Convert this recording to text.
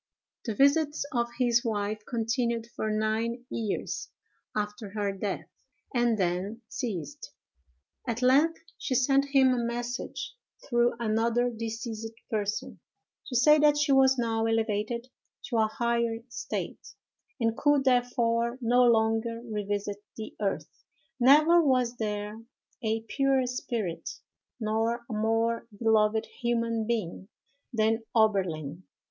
The visits of his wife continued for nine years after her death, and then ceased. At length she sent him a message, through another deceased person, to say that she was now elevated to a higher state, and could therefore no longer revisit the earth. Never was there a purer spirit, nor a more beloved human being, than Oberlin.